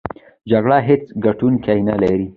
جګړه هېڅ ګټوونکی نلري!